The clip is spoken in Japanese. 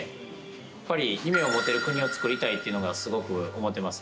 やっぱり夢を持てる国をつくりたいっていうのはすごく思ってます。